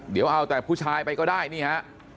เดี๋ยวเอาแต่ผู้ชายไปก็ได้นี่ฮะ